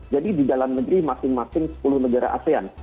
jadi di dalam negeri masing masing sepuluh negara asean